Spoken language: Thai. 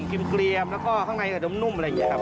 กลิ่มเกลียมแล้วข้างในก็ดมอะไรอย่างนี้ครับ